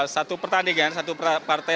satu pertandingan satu partai